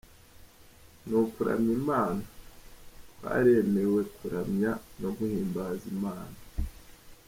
Ni ukuramya Imana: Twaremewe kuramya no guhimbaza Imana.